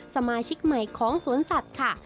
สมาชิกใหม่ของสวนสัตว์ค่ะ